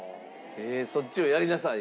「そっちをやりなさい」？